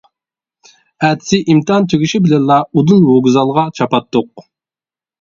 ئەتىسى ئىمتىھان تۈگىشى بىلەنلا ئۇدۇل ۋوگزالغا چاپاتتۇق.